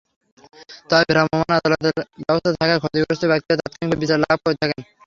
তবে ভ্রাম্যমাণ আদালতের ব্যবস্থা থাকায় ক্ষতিগ্রস্ত ব্যক্তিরা তাৎক্ষণিকভাবে বিচার লাভ করে থাকেন।